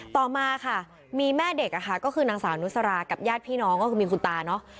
ต่อมาค่ะมีแม่เด็กอะค่ะก็คือนางสาวนุสรากับญาติพี่น้องก็คือมีคุณตาเนอะ